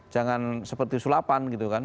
jangan seperti sulapan